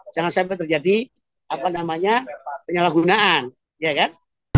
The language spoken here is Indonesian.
jangan sampai terjadi apa namanya penyalahgunaan ya kan